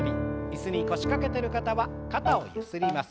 椅子に腰掛けてる方は肩をゆすります。